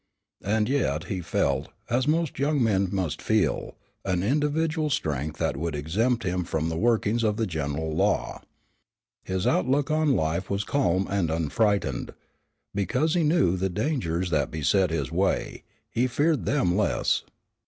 And yet, he felt, as most young men must feel, an individual strength that would exempt him from the workings of the general law. His outlook on life was calm and unfrightened. Because he knew the dangers that beset his way, he feared them less.